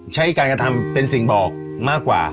ใช้การกระทำเป็นสิ่งบอกมากกว่า